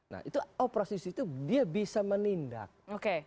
nah itu operasi justisi itu dia bisa menindak